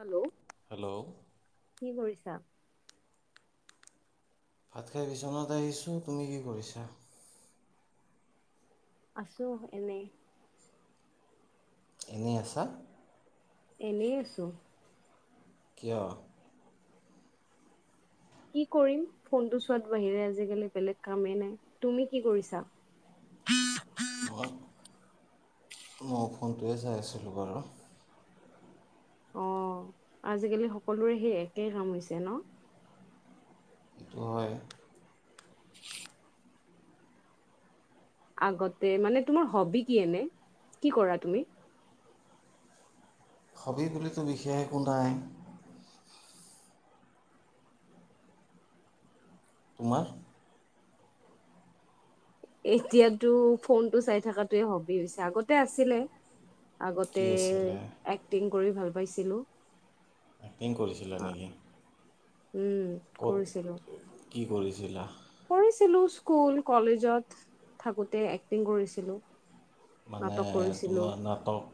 Hello hello কি কৰিছা ভাত খাই বিচনাত আহিছোঁ তুমি কি কৰিছা আছো এনেই এনেই আছা এনেই আছো কিয় কি কৰিম ফোনটো চোৱাত বাহিৰে আজিকালি বেলেগ কামেই নাই তুমি কি কৰিছা মই মোৰ ফোনটোৱে চাই আছিলোঁ বাৰু অ' আজিকালি সকলোৰে সেই একেই কাম হৈছে ন অহ হয় আগতে মানে তোমাৰ হবি কি এনে? কি কৰা তুমি? হবি বুলিতো বিশেষ একো নাই। তোমাৰ? এতিয়াতো ফোনতটো চাই থকাতোৱে হবি হৈছে, আগতে আছিলে। কি আগতে আছিলে এক্টিং কৰি ভাল পাইছিলোঁ। এক্টিং কৰিছিল নেকি? উম ক'ত কৰিছিলোঁ। কি কৰিছিলা? কৰিছিলোঁ স্কুল, কলেজত থাকোঁতে এক্টিং কৰিছিলোঁ। মানে তোমাৰ নাটক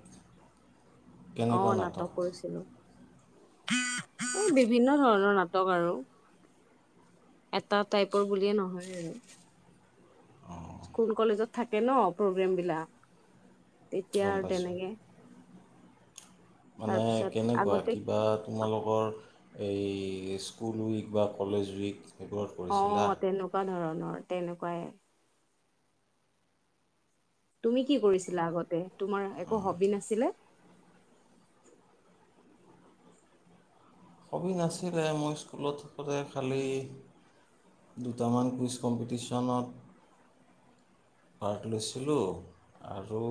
অ' নাটক কৰিছিলো। বিভিন্ন ধৰণৰ নাটক আৰু এটা টাইপৰ বুলিয়ে নহয় আৰু স্কুল কলেজত থাকে ন প্ৰগ্ৰেম বিলাক? তেতিয়া গম আৰু পাইছোঁ তেনেকে মানে তাৰপিছত কেনেকুৱা? আগতে কিবা তোমালোকৰ এই স্কুল উইক বা কলেজ উইক সেইবোৰত অ কৰিছিলা? তেনেকুৱা ধৰণৰ তেনেকুৱাই তুমি কি কৰিছিলা আগতে? তোমাৰ একো হবি নাছিলে? হবি নাছিলে মই স্কুলত থাকোঁতে খালী--দুটামান কুইজ কম্পিটিশনত ভাৰ্ট লৈছিলোঁ আৰু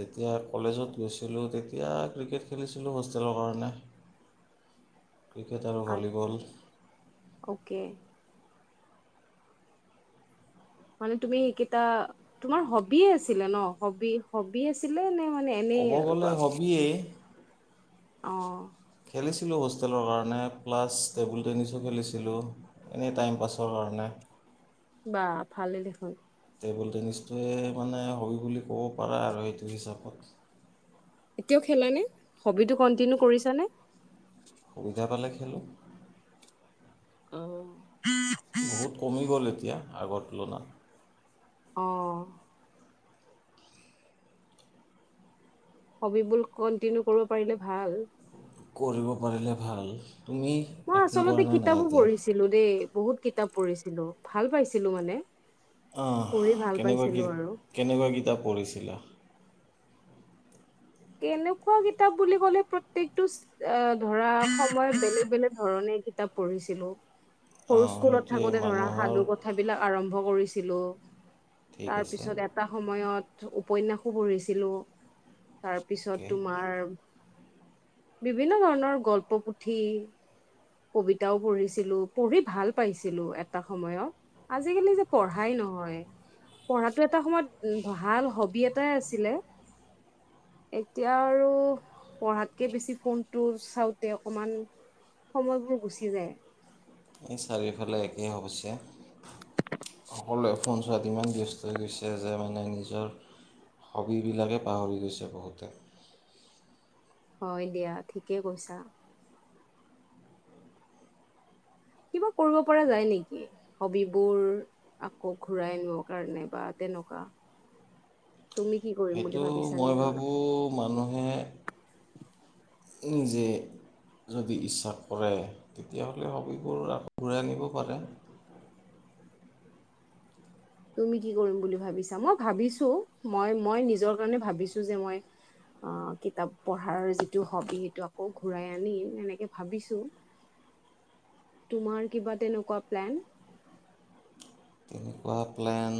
যেতিয়া কলেজত গৈছিলোঁ তেতিয়া ক্ৰিকেট খেলিছিলোঁ হোষ্টেলৰ কাৰণে। ক্ৰিকেট আৰু আচ্ছা ভলীবল অকে মানে তুমি সেইকেইটা--তোমাৰ হবিয়ে আছিলে ন? হবি-হবি আছিলে নে? মানে এনেই ক'ব গ'লে হবিয়েই। অ খেলিছিলোঁ হোষ্টেলৰ কাৰণে প্লাছ টেবুল টেনিছো খেলিছিলোঁ এনেই টাইম পাছৰ কাৰণে। বা ভালে দেখোন। টেবুল টেনিছটোৱে মানে হবি বুলি ক'ব পাৰা আৰু সেইটো হিচাপত। এতিয়াও খেলানে? হবিটো কন্টিনিউ কৰিছানে? সুবিধা পালে খেলোঁ। অহ। বহুত কমি গ'ল এতিয়া আগৰ তুলনাত অঁ হবিবোৰ কন্টিনিউ কৰিব পাৰিলে ভাল। কৰিব পাৰিলে ভাল। তুমি মই এক্টিং কৰা আচলতে নে নাই কিতাপো এতিয়া পঢ়িছিলো দেই। বহুত কিতাপ পঢ়িছিলো ভাল পাইছিলো মানে অঁ পঢ়ি ভাল পাইছিলো কেনেকুৱা আৰু। কেনেকুৱা কিতাপ পঢ়িছিলা কেনেকুৱা কিতাপ বুলি ক'লে প্ৰত্যেকটো এ ধৰা সময়ত বেলেগ বেলেগ ধৰণে কিতাপ পঢ়িছিলো সৰু অঁ স্কুলত সেইটোৱে থাকোতে ধৰা মানুহৰ সাধু কথাবিলাক আৰম্ভ আৰম্ভ কৰিছিলোঁ ঠিক আছে তাৰপিছত এটা সময়ত উপন্যাসো পঢ়িছিলো তাৰপিছত অ'কে তোমাৰ বিভিন্ন ধৰণৰ গল্প পুথি কবিতাও পঢ়িছিলো পঢ়ি ভাল পাইছিলো এটা সময়ত আজিকালি যে পঢ়াই নহয় পঢ়াতটো এটা সময়ত ভাল হবি এটাই আছিলে এতিয়া আৰু পঢ়াতকে বেছি ফোনটো চাওঁতে অকমান সময়বোৰ গুচি যায় এই চাৰিওফালে একেই হ হৈছে সকলোৱে ফোন চোৱাত ইমান ব্যস্ত হৈ গৈছে যে মানে নিজৰ হবিবিলাকে পাহৰি গৈছে বহুতে হয় দিয়া ঠিকে কৈছা কিবা কৰিব পৰা যায় নেকি হবিবোৰ আকৌ ঘূৰাই নিব কাৰণে বা তেনেকুৱা তুমি কি কৰিম বুলি সেইটো ভাবিছা মই নিজৰ ভাবোঁ লগত মানুহে নিজে যদি ইচ্ছা কৰে তেতিয়াহ'লে হবিবোৰ আকৌ ঘূৰাই আনিব পাৰে তুমি কি কৰিম বুলি ভাবিছা মই ভাবিছো মই মই নিজৰ কাৰণে ভাবিছো যে মই কিতাপ পঢ়াৰ যিটো হবি সেইটো আকৌ ঘূৰাই আনিম এনেকে ভাবিছোঁ তোমাৰ কিবা তেনেকুৱা প্লেন তেনেকুৱা প্লেন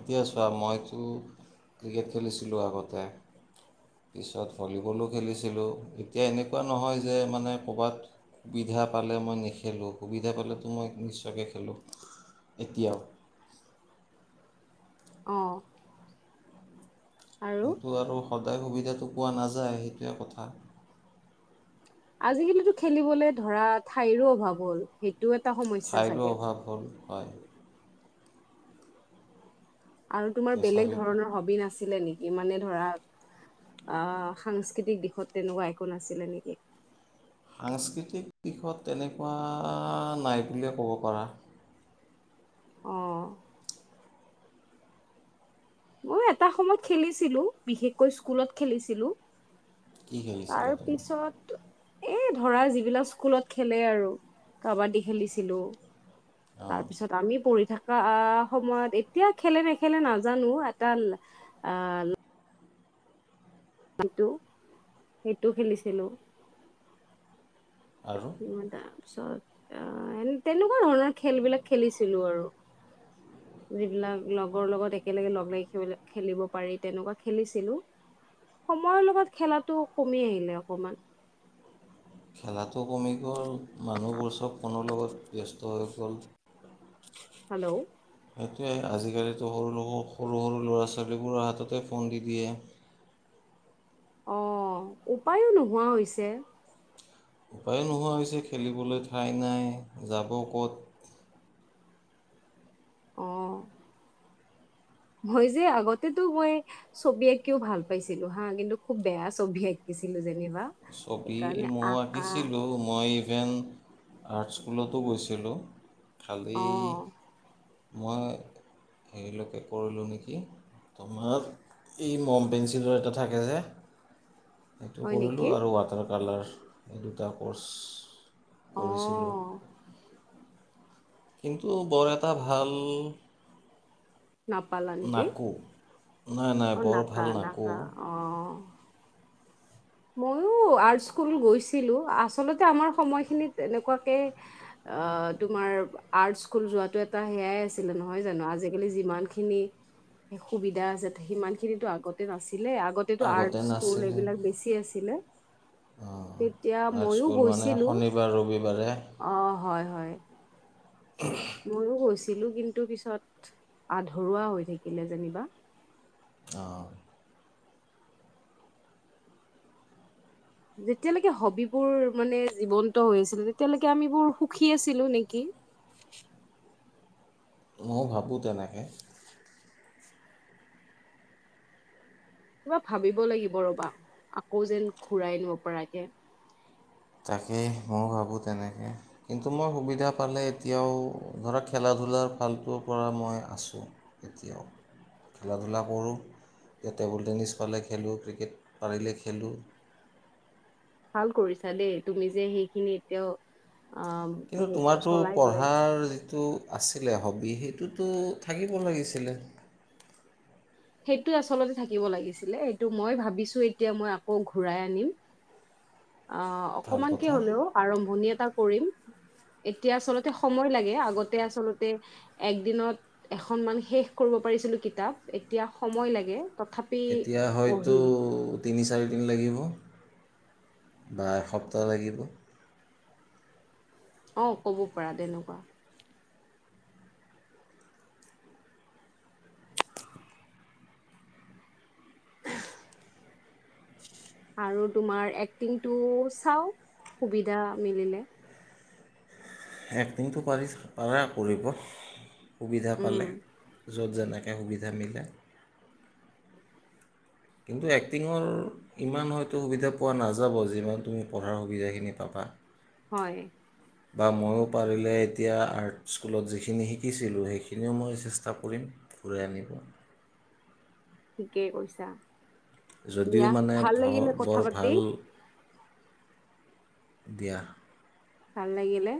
এতিয়া চোৱা মইতো ক্ৰিকেট খেলিছিলোঁ আগতে পিচত ভলীবলো খেলিছিলোঁ এতিয়া এনেকুৱা নহয় যে মানে ক'ৰবাত সুবিধা পালে মই নেখেলোঁ সুবিধা পালেতো মই নিশ্চয়কৈ খেলোঁ খেলোঁ এতিয়াও অঁ কিন্তু আৰু সদায় সুবিধাটো পোৱা নাযায় সেইটোৱে কথা আজিকালিতো খেলিবলে ধৰা ঠাইৰো অভাৱ হ'ল সেইটোও এটা সমস্যা ঠাইৰো চাগে অভাৱ হ'ল হয় আৰু তোমাৰ এতিয়া বেলেগ চাৰিওফাল ধৰণৰ হবি নাছিলে নেকি ই মানে ধৰা আহ সাংস্কৃতিক দিশত তেনেকুৱা একো নাছিলে নেকি সাংস্কৃতিক দিশত তেনেকুৱা নাই বুলিয়ে ক'ব পাৰা অঁ মই এটা সময় খেলিছিলো বিশেষকৈ স্কুলত খেলিছিলো কি খেলিছিল আপুনি এই ধৰা যিবিলাক স্কুলত খেলে আৰু কাবাডী খেলিছিলোঁ অঁ তাৰ পিছত আমি পঢ়ি থাকো সময়ত এতিয়া খেলে নেখেলে নাজানো এটা আহ সটো সেইটো খেলিছিলোঁ আৰু কিমান তাপিছত আহ তেনেকুৱা ধৰণৰ খেলবিলাক খেলিছিলো আৰু যিবিলাক লগৰ লগত একেলগে লগ লাগি খেলিব পাৰি তেনেকুৱা খেলিছিলো সময়ৰ লগত খেলাটো কমি আহিলে অকমান খেলাত ও কমি গ'ল, মানুহবোৰ চব ফোনৰ লগত ব্যস্ত তই কল হেল্ল' সেইটোৱেই আজিকালিতো সৰু সৰু সৰু ল'ৰা ছোৱালীবোৰৰ হাততে ফোন দি দিয়ে। অ' উপায়ো নোহোৱা হৈছে। উপায়ো নোহোৱা হৈছে। খেলিবলৈ ঠাই নাই যাব ক'ত? অ মই যে আগতেতো মই ছবি আঁকিও ভাল পাইছিলো হা কিন্তু খুব বেয়া ছবি আঁকিছিলো যেন ছবি মই আঁকিছিলো। মই ডেন আৰ্ট স্কুলতো গৈছিলোঁ। অ খালী মই হেৰিলৈকে কৰিলোঁ নেকি? তোমাৰ এই ম'ম পেঞ্চিলৰ এটা থাকে যে সেইটো হয় কৰিলোঁ নেকি আৰু ৱাটাৰ কালাৰ। এই দুটা ক'ৰ্ছ অ কৰিছিলোঁ। কিন্তু বৰ এটা ভাল নাপালা নেকি? নাকো নাই নাই অ' বৰ ভাল নাপালা নাকো নাপালা ময়ো আৰ্ট স্কুল গৈছিলো। আচলতে আমাৰ সময়খিনিত এনেকুৱাকে তোমাৰ আৰ্ট স্কুল যোৱাতো এটা সেয়াই আছিলে নহয় জানো? আজিকালি যিমানখিনি সুবিধা আছে সিমানখিনিতো আগতে নাছিল। এ আগতেটো আৰ্ট আগতে স্কুল নাছিলে এইবিলাক বেছি। আছিলে। তেতিয়া আৰ্ট মইও স্কুল মানে গৈছিলো শনিবাৰ ৰবিবাৰে অ' হয় হয়। হয় [unintelligible] [unintelligible] ময়ো গৈছিলো কিন্তু পিছত আধৰুৱা হৈ থাকিলে যেনিবা অ' যেতিয়ালৈকে হবিবোৰ মানে জীৱন্ত হৈ আছিল তেতিয়ালৈকে আমি বোৰ সুখী আছিলো নেকি মই ভাবোঁ তেনেকৈ কিবা ভাবিব লাগিব ৰ'বা। আকৌ যেন ঘুৰাই আনিব পৰাকে তাকেই মই ভাবোঁ তেনেকৈ কিন্তু মই সুবিধা পালে এতিয়াও ধৰক খেলা ধূলাৰ ফালটোৰ পৰা মই আছোঁ এতিয়াও খেলা ধূলা কৰোঁ এতিয়া টেবুল টেনিছ পালে খেলোঁ ক্ৰিকেট পাৰিলে খেলোঁ। ভাল কৰিছা দেই। তুমি যে সেইখিনি এতিয়াও অ' কিন্তু সেই তোমাৰো চলাই গৈ আছা পঢ়াৰ যিটো আছিল হ' এ সেইটোতো থাকিব লাগিছিলে। সেইটো আচলতে থাকিব লাগিছিলে। সেইটো মই ভাবিছোঁ এতিয়া মই আকৌ ঘূৰাই আনিম। অ' ভাল অকমানকে কথা হ'লেও আৰম্ভণি কৰিম। এতিয়া আচলতে সময় লাগে। আগতে আচলতে এক দিনত এখন মান শেষ কৰিব পাৰিছিলোঁ কিতাপ। এতিয়া সময় লাগে। তথাপি এতিয়া হয়তো পঢ়িম তিনি চাৰি দিন লাগিব বা এসপ্তাহ লাগিব। অ' ক'ব পাৰা তেনেকুৱা। আৰু তোমাৰ এক্টিংটো চাওঁ, সুবিধা মিলিলে। এক্টিংটো পাৰি। পাৰা কৰিব। সুবিধা উম পালে য'ত যেনেকৈ সুবিধা মিলে কিন্তু এক্টিঙৰ ইমান হয়তো সুবিধা পোৱা নাযাব যিমান তুমি পঢ়াৰ সুবিধাখিনি পাবা৷ হয় বা ময়ো পাৰিলে এতিয়া আৰ্ট স্কুলত যিখিনি শিকিছিলোঁ সেইখিনিও মই চেষ্টা কৰিম ঘূৰাই আনিব৷ ঠিকেই কৈছা৷ যদিও দিয়া মানে ভাল লাগিলে ভৰ কথা বৰ পাতি ভাল দিয়া ভাল লাগিলে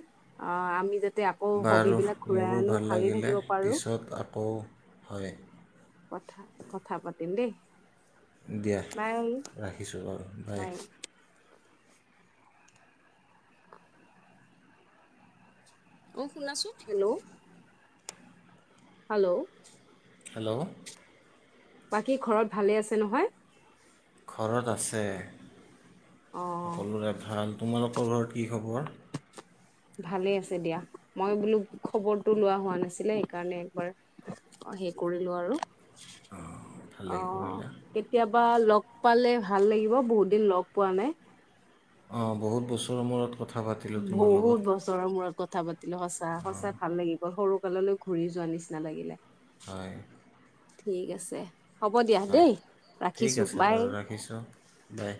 অ আমি য বাৰু মোৰো ভাল লাগিলে থাকিব পাৰো পিছত আকৌ হয় কথা কথা পাতিম দেই দিয়া বাই ৰাখিছোঁ বাৰু বাই৷ অ শুনাচোন হেল্ল' হেল্ল' হেল্ল' বাকী ঘৰত ভালে আছে নহয়? ঘৰত আছে৷ অ', সকলোৰে ভাল? তোমালোকৰ ঘৰত কি খবৰ? ভালে আছে দিয়া, মই বোলো খবৰটো লোৱা হোৱা নাছিলে সেইকাৰণে একবাৰ হে কৰিলো আৰু অ ভাল লাগিব অ', এইবিলাক কেতিয়াবা লগ পালে ভাল লাগিব বহুত দিন লগ পোৱা নাই অঁ বহুত বছৰৰ মূৰত কথা পাতিলোঁ তোমাৰ লগত বহুত বছৰৰ মূৰত কথা বা সঁচা- সঁচা ভাল লাগিব সৰু তললৈ ঘূৰি যোৱা নিচিনা লাগিলে৷ হয় ঠিক আছে হ'ব দিয়া হয় দেই ঠিক ৰাখিছো আছে বাই। বাৰু ৰাখিছোঁ বাই৷